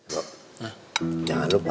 bro jangan lupa